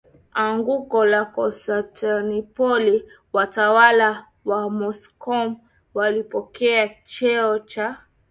anguko la Konstantinopoli watawala wa Moscow walipokea cheo cha